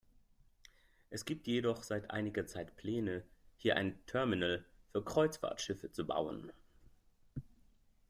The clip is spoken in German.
Es gibt jedoch seit einiger Zeit Pläne, hier ein Terminal für Kreuzfahrtschiffe zu bauen.